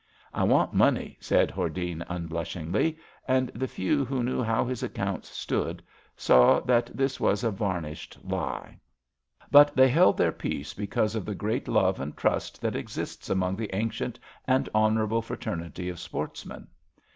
*' I want money," said Hordene unblushingly, and the few who knew how his accounts stood saw that this was a varnished lie. But they held their peace because of the 142 ABAFT THE FUNNEL great love and trust that exists among the ancient and honourable fraternity of sportsmen.